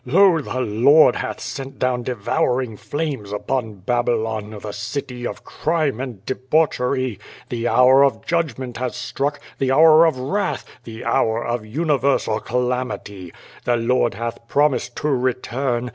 Lol the Lord hath sent down devouring flames upon Babylon, the city of crime and debauchery. The hour of judgment has struck, the hour of wrath, the hour of universal calamity. The Lord hath promised to return.